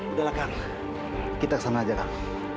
udah lah kang kita ke sana aja kang